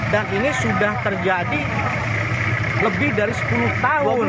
dan ini sudah terjadi lebih dari sepuluh tahun